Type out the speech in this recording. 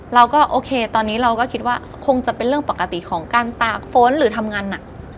เราก็โอเคตอนนี้เราก็คิดว่าคงจะเป็นเรื่องปกติของการตากฝนหรือทำงานหนัก